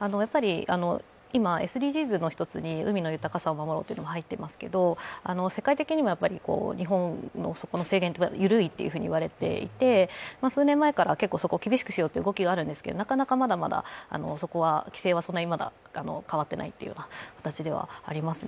今、ＳＤＧｓの一つに、海の豊かさを守ろうというのが入っていますけど、世界的にも日本のそこの制限は緩いというふうにいわれていて数年前からそこを厳しくしようという動きがあるんですけどなかなかまだまだそこは規制はまだ変わっていないという形ではありますね。